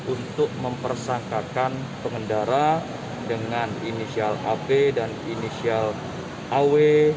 untuk mempersangkakan pengendara dengan inisial ap dan inisial aw